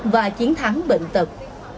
và chiến thắng bệnh tật